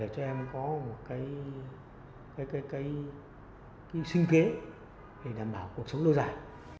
cái sinh kế để đảm bảo cuộc sống lâu dài